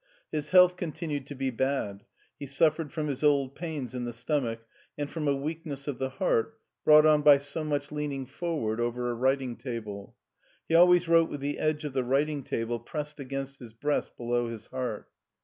His health continued to be bad; he suffered from his old pains in the stomach and from a weakness of the heart, brought on by so much leaning forward over a writing table. He always wrote with the edge of the writing table pressed against his breast below his heart.